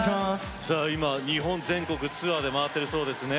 日本全国ツアーで回ってるそうですね。